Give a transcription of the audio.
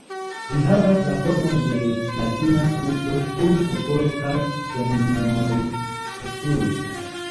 Ĝi havas la formon de latina kruco, kun kupolo kaj sonorilturo.